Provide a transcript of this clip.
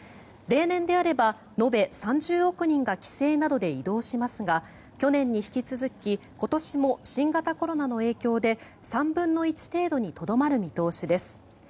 例年であれば延べ３０億人が帰省などで移動しますが去年に引き続き今年も新型コロナの影響で３分の１程度にとどまる見通しです。